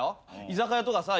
居酒屋とかさ